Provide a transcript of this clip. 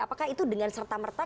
apakah itu dengan serta merta